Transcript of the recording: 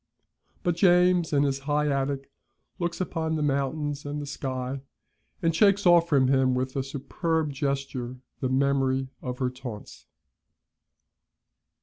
But James, in his high attic, looks upon the mountains and the sky, and shakes off from him with a superb gesture the memory of her taunts.